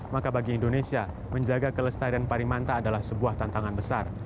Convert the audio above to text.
maka bagi indonesia menjaga kelestarian parimanta adalah sebuah tantangan besar